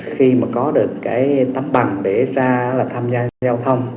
khi mà có được cái tấm bằng để ra là tham gia giao thông